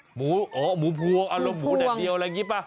หมูพวงหรือหมูแดดเดียวอะไรอย่างนี้ป่ะ